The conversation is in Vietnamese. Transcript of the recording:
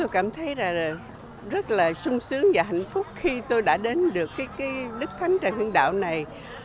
chúng tôi cũng mong rằng thành phố cũng sẽ đi vào những hướng chính lớn mà hiện nay